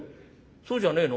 そうじゃねえの？